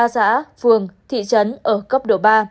ba xã vườn thị trấn ở cấp độ ba